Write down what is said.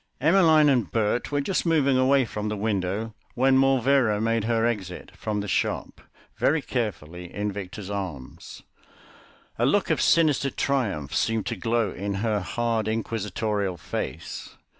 Emmeline and Bert were just moving away from the window when Morlvera made her exit from the shop, very carefully in Victor's arms. A look of sinister triumph seemed to glow in her hard, inquisitorial face.